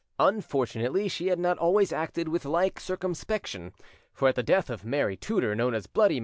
Unfortunately, she had not always acted with like circumspection; for at the death of Mary Tudor, known as Bloody.